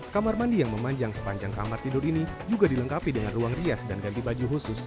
kamar mandi yang memanjang sepanjang kamar tidur ini juga dilengkapi dengan ruang rias dan ganti baju khusus